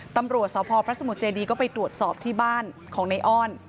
ตำรวจสพพระสมุทรเจดีก็ไปตรวจสอบที่บ้านของในอ้อน